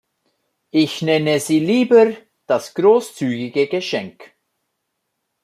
Ich nenne sie lieber "das großzügige Geschenk".